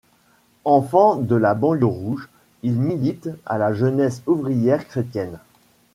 Enfant de la banlieue rouge, il milite à la Jeunesse ouvrière chrétienne.